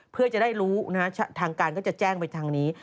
เพื่อจะได้รู้ทางการก็จะแจ้งไปทางนี้